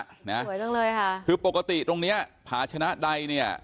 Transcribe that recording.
สวยจังเลยค่ะคือปกติตรงเนี้ยผาชนะใดเนี่ย